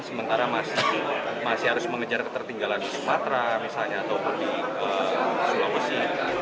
sementara masih harus mengejar ketertinggalan di sumatera misalnya ataupun di sulawesi